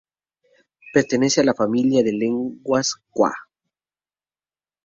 Pertenece a la familia de las lenguas kwa.